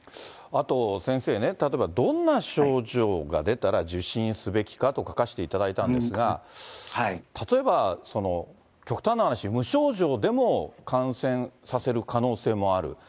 あと先生ね、例えばどんな症状が出たら受診すべきかと書かせていただいたんですが、例えば、極端な話、無症状でも感染させる可能性もある。